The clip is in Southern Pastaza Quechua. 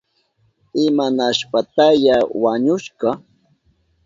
¿Imanashpataya wañushka?